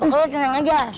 pokoknya kenang aja